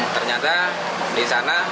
ternyata di sana